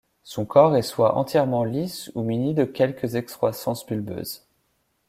Son corps est soit entièrement lisse ou muni de quelques excroissances bulbeuses.